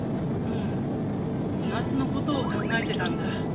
うん。２月のことを考えてたんだ。